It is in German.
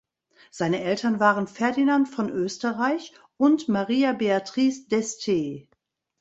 Seine Eltern waren Ferdinand von Österreich und Maria Beatrice d’Este.